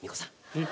うん？